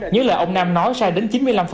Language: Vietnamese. nhớ lời ông nam nói sai đến chín mươi năm